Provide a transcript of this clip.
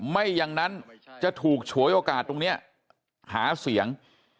ไม่อย่างนั้นจะถูกฉวยโอกาสตรงนี้หาเสียง